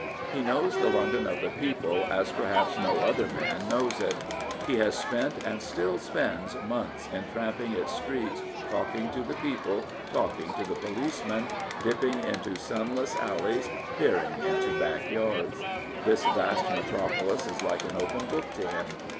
He knows the London of the people as perhaps no other man knows it. He has spent, and still spends, months in tramping its streets, talking to the people, talking to the policemen, dipping into sunless alleys, peering into back yards. This vast metropolis is like an open book to him.